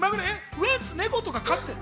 ウエンツは猫とか飼ってる？